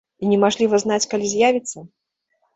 І немажліва знаць, калі з'явіцца?